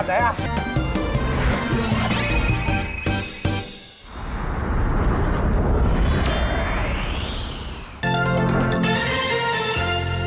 โปรดติดตามตอนต่อไป